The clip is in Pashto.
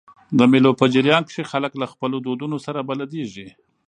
د مېلو په جریان کښي خلک له خپلو دودونو سره بلديږي.